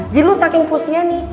jadi lu saking pusnya nih